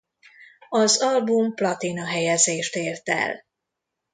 Az album platina helyezést ért el.